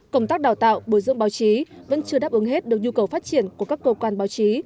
công tác đào tạo bồi dưỡng báo chí vẫn chưa đáp ứng hết được nhu cầu phát triển của các cơ quan báo chí